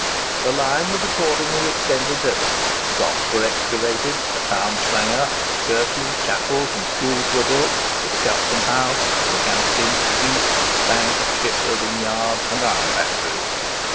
The line was accordingly extended thither; docks were excavated; a town sprang up; churches, chapels, and schools were built, with a custom house, mechanics' institute, banks, shipbuilding yards, and iron factories.